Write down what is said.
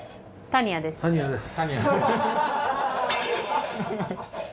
「タニアです」。